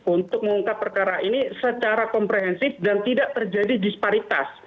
untuk mengungkap perkara ini secara komprehensif dan tidak terjadi disparitas